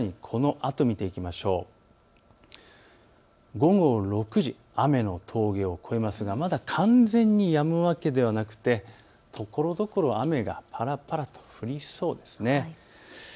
午後６時、雨の峠を越えますがまだ完全にやむわけではなくてところどころ雨がぱらぱらと降りそうですね。